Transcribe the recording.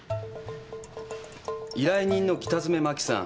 「依頼人の北詰麻紀さん